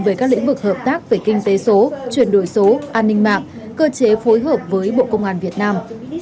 về các lĩnh vực hợp tác về kinh tế số chuyển đổi số an ninh mạng cơ chế phối hợp với bộ công an việt nam